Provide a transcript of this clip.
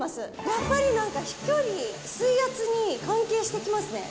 やっぱりなんか飛距離、水圧に関係してきますね。